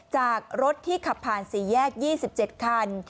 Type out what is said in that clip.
จากรถที่ขับผ่าน๔แยก๒๗คัน